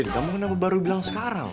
kamu kenapa baru bilang sekarang